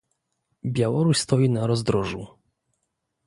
Białoruś stoi na rozdrożu